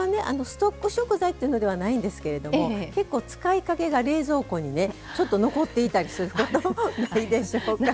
ストック食材というのではないんですけれども結構使いかけが冷蔵庫にねちょっと残っていたりすることないでしょうか。